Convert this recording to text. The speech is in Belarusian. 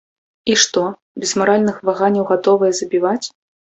І што, без маральных ваганняў гатовыя забіваць?